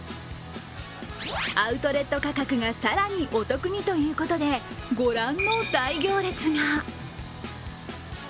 アウトレット価格が更にお得にということで、ご覧の大行列が。